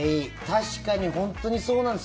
確かに本当にそうなんです。